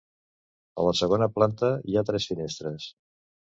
A la segona planta, hi ha tres finestres.